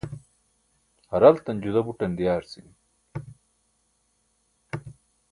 haraltan juda buṭan diyaarcimi